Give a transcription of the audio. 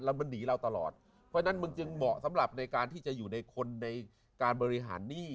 แล้วมันหนีเราตลอดเพราะฉะนั้นมึงจึงเหมาะสำหรับในการที่จะอยู่ในคนในการบริหารหนี้